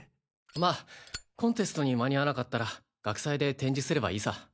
まあコンテストに間に合わなかったら学祭で展示すればいいさ。